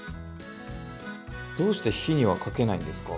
どうして火にはかけないんですか？